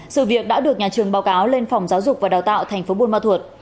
sự việc đã được nhà trường báo cáo lên phòng giáo dục và đào tạo thành phố buôn ma thuột